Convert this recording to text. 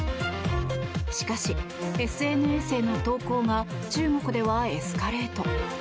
しかし、ＳＮＳへの投稿が中国ではエスカレート。